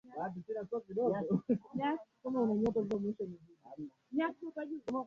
wa Habari wa Ulimwenguni Kote wa Uchafuzi